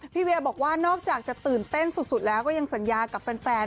เวียบอกว่านอกจากจะตื่นเต้นสุดแล้วก็ยังสัญญากับแฟน